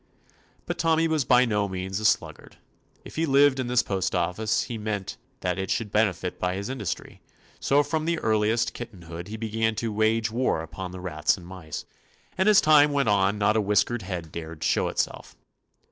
But Tommy was by no means a sluggard. It he lived in the post office he meant that it should benetit by his industry: so from the earliest ;6 TOMMY POSTOFFICE kittenhood he began to wage war upon the rats and mice, and as time went on not a whiskered head dared show itself.